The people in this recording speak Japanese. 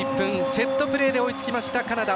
セットプレーで追いつきましたカナダ。